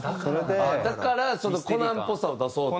だからその『コナン』っぽさを出そうと？